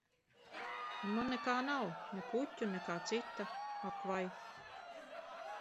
Un man nekā nav - ne puķu, ne kā cita. Ak vai.